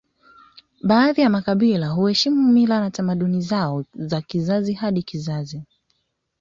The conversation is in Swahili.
Baadhi ya makabila huheshimu mila na tamaduni zao za kizazi hadi kizazi